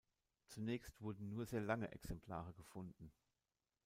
Zunächst wurden nur sehr lange Exemplare gefunden.